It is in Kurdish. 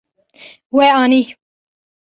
We anî.